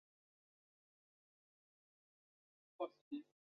因此城市的捷克人减少并很大程度德国化。